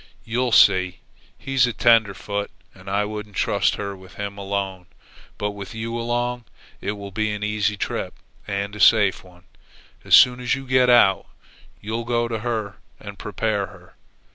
"You see, he's tenderfoot, and I wouldn't trust her with him alone. But with you along it will be an easy trip and a safe one. As soon as you get out, you'll go to her and prepare her.